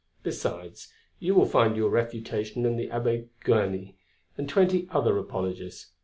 Besides, you will find your refutation in the Abbé Guénée and twenty other apologists.